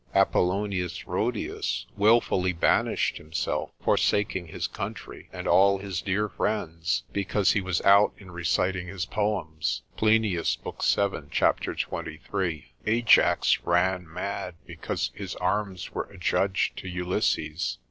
Apollonius Rhodius wilfully banished himself, forsaking his country, and all his dear friends, because he was out in reciting his poems, Plinius, lib. 7. cap. 23. Ajax ran mad, because his arms were adjudged to Ulysses.